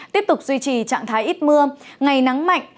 tiếp tục duy trì trạng thái ít mưa ngày nắng mạnh